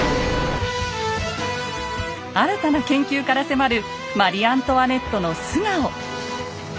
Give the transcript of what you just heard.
新たな研究から迫るマリ・アントワネットの素顔。